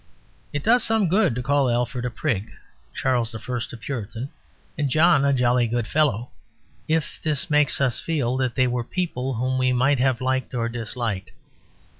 It does some good to call Alfred a prig, Charles I a Puritan, and John a jolly good fellow; if this makes us feel that they were people whom we might have liked or disliked.